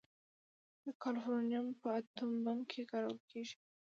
د کالیفورنیم په اټوم بم کې کارول کېږي.